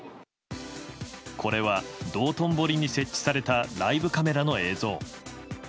これは、道頓堀に設置されたライブカメラの映像。